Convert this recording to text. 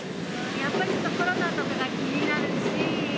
やっぱりちょっと、コロナとかが気になるし。